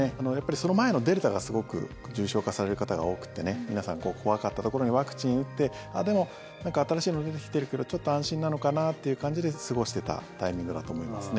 その前のデルタがすごく重症化される方が多くて皆さん、怖かったところにワクチン打ってでも、なんか新しいもの出てきているけどちょっと安心なのかなっていう感じで過ごしていたタイミングだと思いますね。